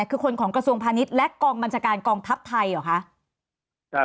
คือคนของกระทรวงพาณิชย์และกองบัญชาการกองทัพไทยเหรอคะ